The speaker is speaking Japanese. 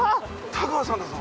太川さんだぞ。